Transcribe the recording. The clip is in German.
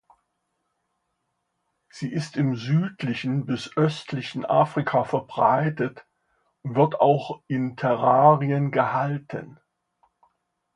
Sie ist im südlichen bis östlichen Afrika verbreitet und wird auch in Terrarien gehalten.